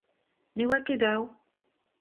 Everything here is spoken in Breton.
Ne oa ket dav !